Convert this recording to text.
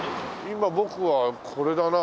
今僕はこれだな。